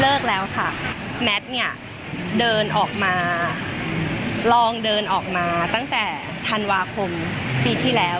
เลิกแล้วค่ะแมทเนี่ยเดินออกมาลองเดินออกมาตั้งแต่ธันวาคมปีที่แล้ว